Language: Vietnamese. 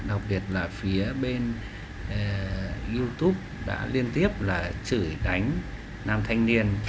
đặc biệt là phía bên youtube đã liên tiếp là chửi đánh nam thanh niên